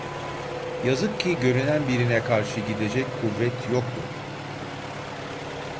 Yazık ki görünen birine karşı gidecek kuvvet yoktu.